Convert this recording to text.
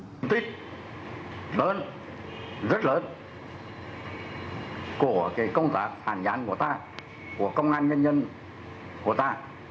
công ty lớn rất lớn của công tác hàn nhãn của ta của công an nhân dân của ta